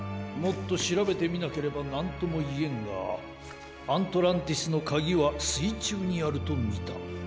もっとしらべてみなければなんともいえんがアントランティスのかぎはすいちゅうにあるとみた。